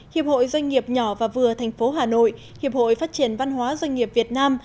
hiệp hội doanh nghiệp nhỏ và vừa tp hà nội hiệp hội phát triển văn hóa doanh nghiệp việt nam